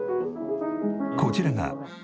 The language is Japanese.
こちらが。